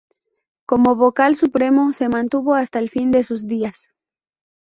Como vocal supremo se mantuvo hasta el fin de sus días.